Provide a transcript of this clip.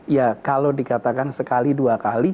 ya kalau dikatakan sekali dua kali